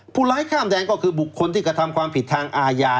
ร้ายข้ามแดนก็คือบุคคลที่กระทำความผิดทางอาญา